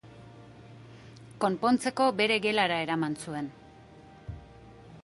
Konpontzeko, bere gelara eraman zuen.